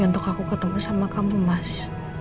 untuk aku ketemu sama kamu mas